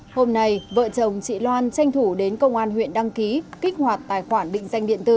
hôm nay vợ chồng chị loan tranh thủ đến công an huyện đăng ký kích hoạt tài khoản định danh điện tử